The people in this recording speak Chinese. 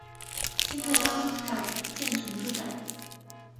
现在则改建成住宅。